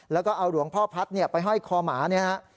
แล้วก็เอาหลวงพ่อพัฒน์ไปให้คอหมาเนี่ย